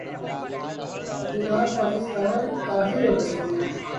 گودار پاکستان کاھے اور رہے گا